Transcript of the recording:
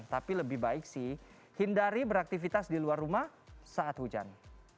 tapi lebih baik sih hindari beraktivitas di luar rumah saat hujan